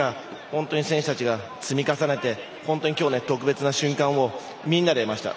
本当に選手たちが積み重ねて本当に今日の特別な瞬間をみんなで見ました。